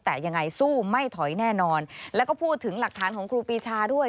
แต่ยังไงสู้ไม่ถอยแน่นอนแล้วก็พูดถึงหลักฐานของครูปีชาด้วย